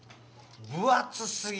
分厚すぎる。